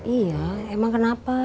iya emang kenapa